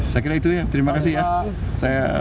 saya kira itu ya terima kasih ya